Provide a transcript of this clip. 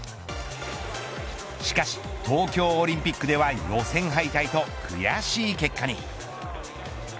しかし東京オリンピックでは予選敗退と悔しい結果に。